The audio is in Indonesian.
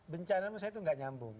bencana misalnya itu enggak nyambung